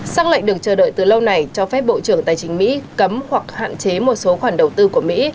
xác lệnh được chờ đợi từ lâu này cho phép bộ trưởng tài chính mỹ cấm hoặc hạn chế một số khoản đầu tư của mỹ